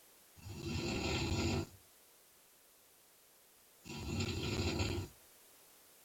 ایا ستاسو تولیه به نرمه وي؟